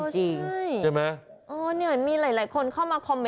ใช่ไหม